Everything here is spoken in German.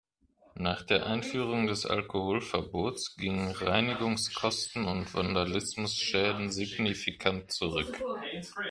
Nach der Einführung des Alkoholverbots gingen Reinigungskosten und Vandalismusschäden signifikant zurück.